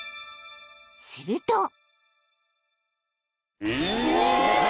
［すると］